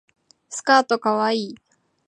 スカートかわいい